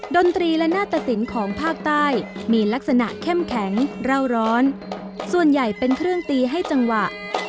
ดนตรีและหน้าตะสินของภาคใต้มีลักษณะเข้มแข็งเล่าร้อนส่วนใหญ่เป็นเครื่องตีให้จังหวะ